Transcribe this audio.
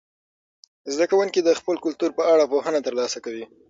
زده کوونکي د خپل کلتور په اړه پوهنه ترلاسه کوي.